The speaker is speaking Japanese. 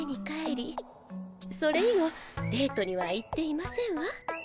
それ以後デートには行っていませんわ。